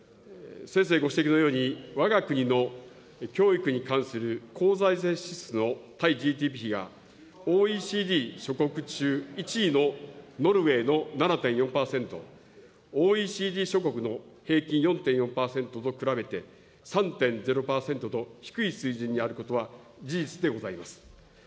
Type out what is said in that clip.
先生ご指摘のように、わが国の教育に関する公財政支出の対ＧＤＰ比が、ＯＥＣＤ諸国中、１位のノルウェーの７．４％、ＯＥＣＤ諸国の平均４．４％と比べて、３．０％と低い水準にあることは事実でございます。